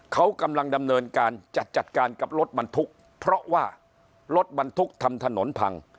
เขากำลังดำเนินการจัดจัดการกับรถบรรทุกเพราะว่ารถบรรทุกทำถนนพัง